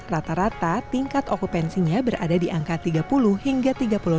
rata rata tingkat okupansinya berada di angka tiga puluh hingga tiga puluh lima